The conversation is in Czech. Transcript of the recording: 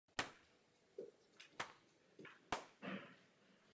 Nejvyššího vodního stavu dosahuje od března do května.